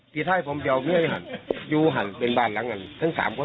ผมจะเอาเมียให้หันอยู่หันเป็นบ้านหลังกันทั้ง๓คนครับ